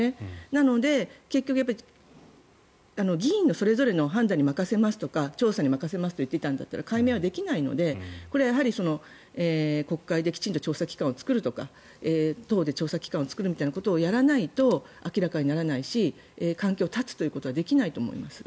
なので、結局議員それぞれの判断に任せます調査に任せますと言っていたら解明はできないのでこれは国会できちんと調査機関を作るとか党で調査機関を作るみたいなことをやらないと明らかにならないし関係を断つということはできないと思います。